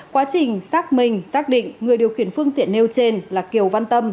quá trình xác minh xác định người điều khiển phương tiện nêu trên là kiều văn tâm